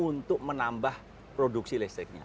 untuk menambah produksi listriknya